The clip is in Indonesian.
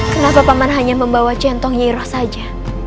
kenapa paman hanya membawa centong nyi iroh saja